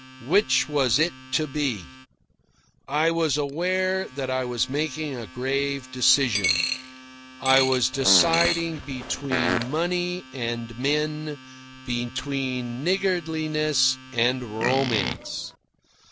Which was it to be? I was aware that I was making a grave decision. I was deciding between money and men, between niggardliness and romance.